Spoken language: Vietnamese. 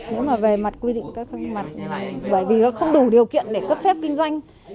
nếu mà về mặt quy định các mặt bởi vì nó không đủ điều kiện để cấp phép kinh doanh